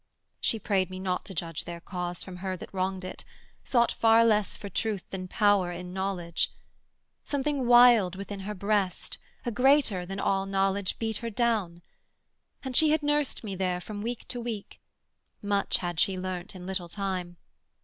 She prayed me not to judge their cause from her That wronged it, sought far less for truth than power In knowledge: something wild within her breast, A greater than all knowledge, beat her down. And she had nursed me there from week to week: Much had she learnt in little time.